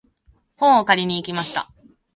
本を借りに行きました。